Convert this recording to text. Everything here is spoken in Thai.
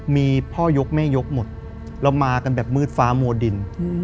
มีพ่อยกแม่ยกหมดเรามากันแบบมืดฟ้ามัวดิน